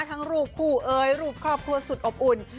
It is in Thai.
รูปคู่เอ๋ยรูปครอบครัวสุดอบอุ่น